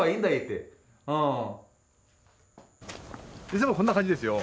いつもこんな感じですよ。